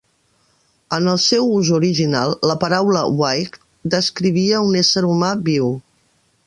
En el seu ús original, la paraula "wight" descrivia un ésser humà viu.